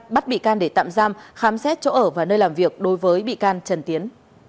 bắt bị can để tạm giam khám xét chỗ ở và nơi làm việc đối với bị can trần tiến